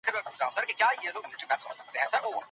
پلان بايد ترتيب سي.